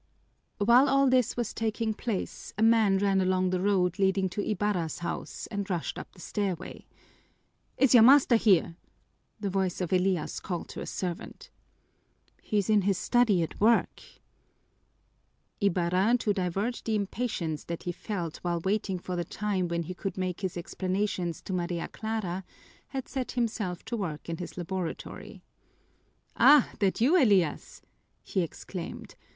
While all this was taking place, a man ran along the road leading to Ibarra's house and rushed up the stairway. "Is your master here?" the voice of Elias called to a servant. "He's in his study at work." Ibarra, to divert the impatience that he felt while waiting for the time when he could make his explanations to Maria Clara, had set himself to work in his laboratory. "Ah, that you, Elias?" he exclaimed.